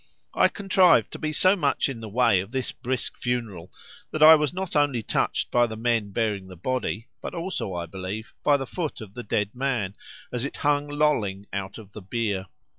I contrived to be so much in the way of this brisk funeral, that I was not only touched by the men bearing the body, but also, I believe, by the foot of the dead man, as it hung lolling out of the bier.